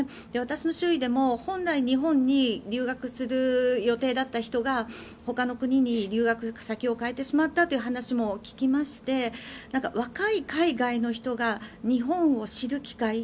私の周囲でも本来、日本に留学する予定だった人がほかの国に留学先を変えてしまったという話も聞きまして若い海外の人が日本を知る機会